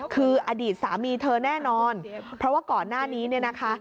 คืออดีตสามีเธอแน่นอนเพราะว่าก่อนหน้านี้เนี่ยนะคะ